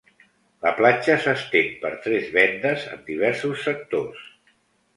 La platja s'estén per tres véndes amb diversos sectors.